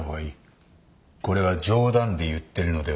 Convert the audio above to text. これは冗談で言っているのではない。